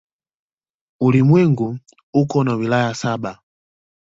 Ulimwengu uko na wilaya saba.